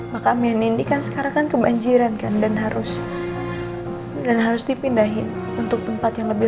makam yang indikan sekarang kan kebanjiran kan dan harus dan harus dipindahin untuk tempat yang lebih